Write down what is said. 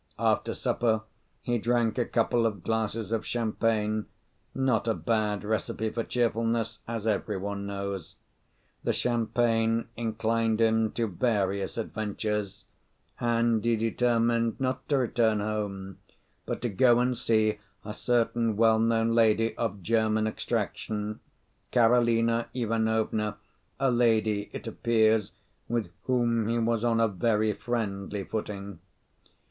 After supper he drank a couple of glasses of champagne not a bad recipe for cheerfulness, as every one knows. The champagne inclined him to various adventures; and he determined not to return home, but to go and see a certain well known lady of German extraction, Karolina Ivanovna, a lady, it appears, with whom he was on a very friendly footing.